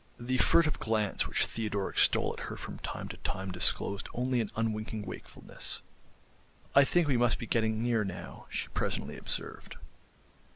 The furtive glance which Theodoric stole at her from time to time disclosed only an unwinking wakefulness. "I think we must be getting near now," she presently observed.